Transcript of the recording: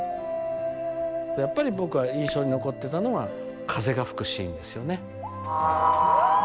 やっぱり僕は印象に残ってたのが風が吹くシーンですよね。